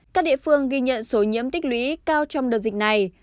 các địa phương ghi nhận số nhiễm tích lũy cao trong đợt dịch này